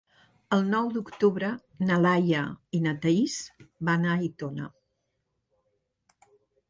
El nou d'octubre na Laia i na Thaís van a Aitona.